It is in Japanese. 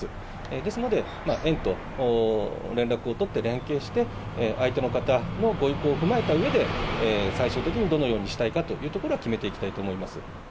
ですので、園と連絡を取って、連携して、相手の方のご意向を踏まえたうえで、最終的にどのようにしたいかというところは決めていきたいと思います。